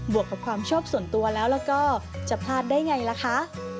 วกกับความชอบส่วนตัวแล้วแล้วก็จะพลาดได้ไงล่ะคะ